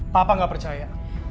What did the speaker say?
papa gak percaya